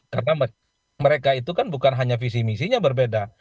karena mereka itu kan bukan hanya visi misinya berbeda